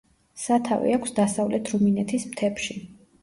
სათავე აქვს დასავლეთ რუმინეთის მთებში.